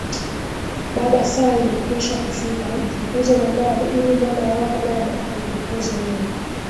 Baba saa imekwisha kufika Mtukuze Mwanao ili Mwana wako naye akutukuze wewe